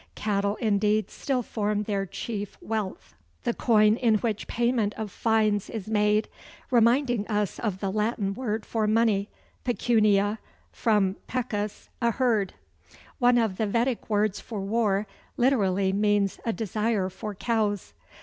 Cattle, indeed, still form their chief wealth the coin in which payment of fines is made reminding us of the Latin word for money, pecunia, from pecus, a herd. One of the Vedic words for war literally means "a desire for cows."